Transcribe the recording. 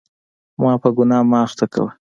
ما په ګناه مه اخته کوه.